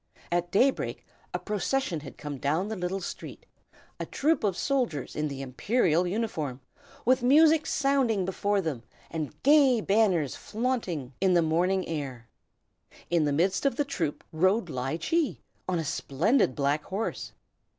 At daybreak a procession had come down the little street, a troop of soldiers in the imperial uniform, with music sounding before them, and gay banners flaunting in the morning air. In the midst of the troop rode Ly Chee, on a splendid black horse.